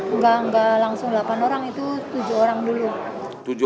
enggak enggak langsung delapan orang itu tujuh orang dulu